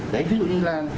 đấy ví dụ như là